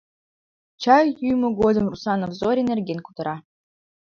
Чай йӱмӧ годым Русанов Зорин нерген кутыра.